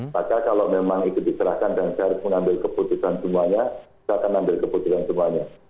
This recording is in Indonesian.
maka kalau memang itu diserahkan dan saya harus mengambil keputusan semuanya saya akan ambil keputusan semuanya